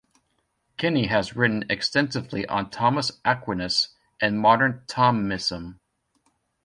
Kenny has written extensively on Thomas Aquinas and modern Thomism.